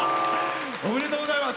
おめでとうございます。